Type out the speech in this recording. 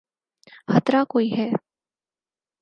خطرہ کوئی ہے۔